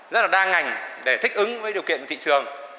rất là đa ngành để thích ứng với điều kiện của thị trường